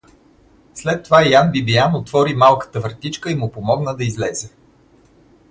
След това Ян Бибиян отвори малката вратичка и му помогна да излезе.